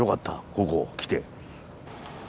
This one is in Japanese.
ここ来て。